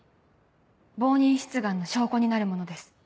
冒認出願の証拠になるものです。